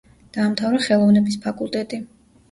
დაამთავრა ხელოვნების ფაკულტეტი.